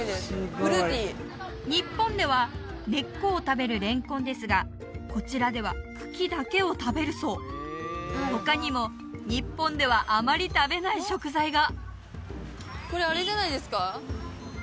フルーティー日本では根っこを食べるレンコンですがこちらでは茎だけを食べるそう他にも日本ではあまり食べない食材がこれあれじゃないですか？